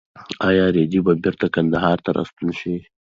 ایا رېدی به بېرته کندهار ته راستون شي؟